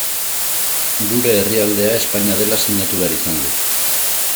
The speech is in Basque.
Gure herrialdea Espainia dela sinatu behar izan dut.